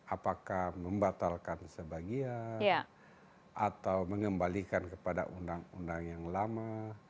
apakah membatalkan sebagian atau mengembalikan kepada undang undang yang lama